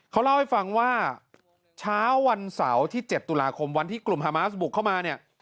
เขาเล่าให้ฟังว่าเช้าวันเสาร์ที่๗ตุลาคมวันที่กลุ่มฮามาสบุกเข้ามาเนี่ย